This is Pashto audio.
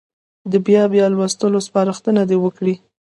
د بیا بیا لوستلو سپارښتنه دې وکړي.